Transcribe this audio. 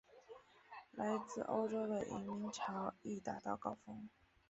来自欧洲的移民潮亦达到高峰。